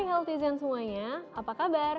hai healthies dan semuanya apa kabar